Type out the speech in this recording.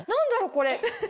これ。